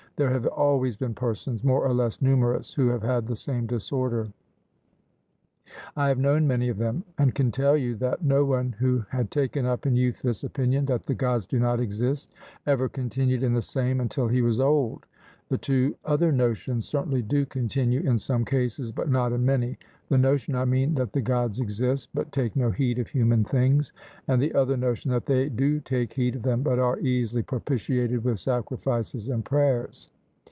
There have always been persons more or less numerous who have had the same disorder. I have known many of them, and can tell you, that no one who had taken up in youth this opinion, that the Gods do not exist, ever continued in the same until he was old; the two other notions certainly do continue in some cases, but not in many; the notion, I mean, that the Gods exist, but take no heed of human things, and the other notion that they do take heed of them, but are easily propitiated with sacrifices and prayers.